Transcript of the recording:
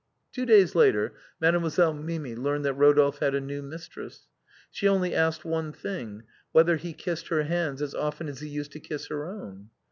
Two days later Mademoiselle Mimi learned that Eo dolphe had a new mistress. She only asked one thing — whether he kissed her hands as often as he used to kiss her own?